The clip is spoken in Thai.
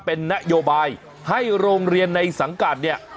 เป็นนโยบายให้โรงเรียนในสังกัดเนี่ย